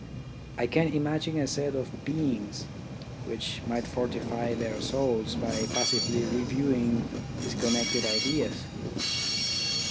I can imagine a set of beings which might fortify their souls by passively reviewing dis connected ideas.